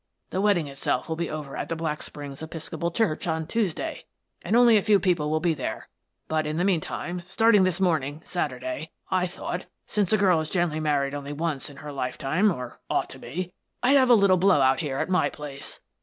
The wedding itself will be over at the Black Springs Episcopal Church on Tuesday, and only a few people will be there, but, in the meantime, starting this morning, Saturday, I thought — since a girl is generally married only once in her lifetime, or ought to be — I'd have a little blowout here at my place.